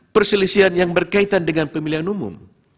perselisihan yang berkaitan dengan pemilihan umum